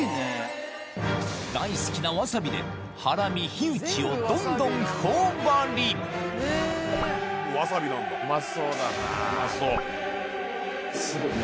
大好きなわさびでハラミヒウチをどんどん頬張りすごい！